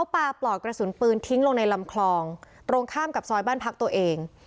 ปลาปลอกกระสุนปืนทิ้งลงในลำคลองตรงข้ามกับซอยบ้านพักตัวเอง